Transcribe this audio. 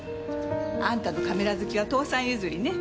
あんたのカメラ好きは父さん譲りね。